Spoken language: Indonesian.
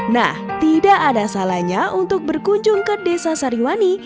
nah tidak ada salahnya untuk berkunjung ke desa sariwani